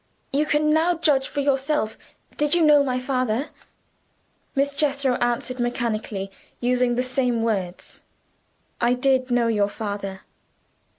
You can now judge for yourself. Did you know my father?" Miss Jethro answered mechanically, using the same words. "I did know your father."